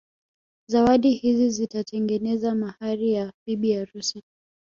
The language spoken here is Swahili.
Zawadi hizi zitatengeneza mahari ya bibi harusi